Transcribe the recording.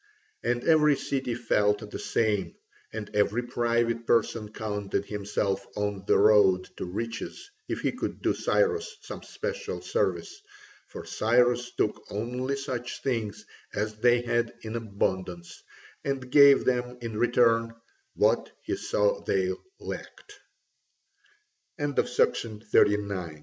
And every city felt the same, and every private person counted himself on the road to riches if he could do Cyrus some special service, for Cyrus took only such things as they had in abundance, and gave them in return what he saw they